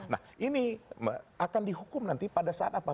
nah ini akan dihukum nanti pada saat apa